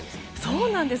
そうなんです。